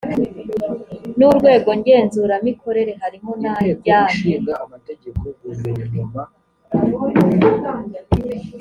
n urwego ngenzuramikorere harimo n ajyanye